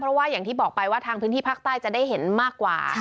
เพราะว่าอย่างที่บอกไปว่าทางพื้นที่ภาคใต้จะได้เห็นมากกว่า